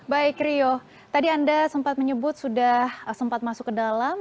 baik rio tadi anda sempat menyebut sudah sempat masuk ke dalam